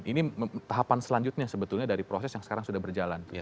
ini tahapan selanjutnya sebetulnya dari proses yang sekarang sudah berjalan